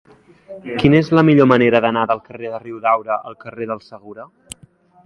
Quina és la millor manera d'anar del carrer de Riudaura al carrer del Segura?